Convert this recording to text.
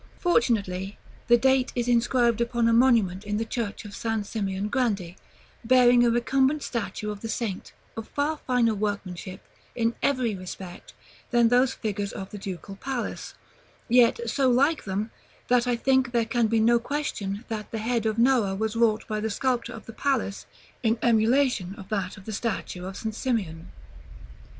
Fortunately, the date is inscribed upon a monument in the Church of San Simeon Grande, bearing a recumbent statue of the saint, of far finer workmanship, in every respect, than those figures of the Ducal Palace, yet so like them, that I think there can be no question that the head of Noah was wrought by the sculptor of the palace in emulation of that of the statue of St. Simeon.